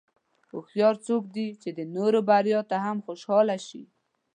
هوښیار څوک دی چې د نورو بریا ته هم خوشاله شي.